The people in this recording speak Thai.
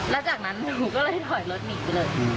แล้วจากนั้นหนูก็เลยถอยรถหนีไปเลย